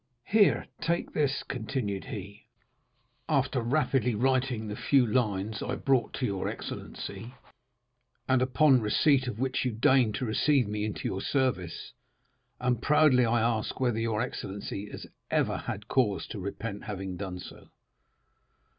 Here, take this,' continued he, after rapidly writing the few lines I brought to your excellency, and upon receipt of which you deigned to receive me into your service, and proudly I ask whether your excellency has ever had cause to repent having done so?"